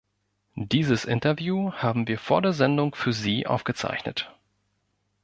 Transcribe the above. Dieses Interview haben wir vor der Sendung für Sie aufgezeichnet.